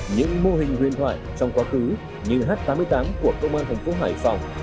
những mô hình huyền thoại trong quá khứ như h tám mươi tám của công an tp hải phòng